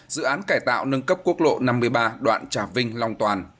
dự án cải tạo nâng cấp quốc lộ năm mươi ba đoạn trà vinh long toàn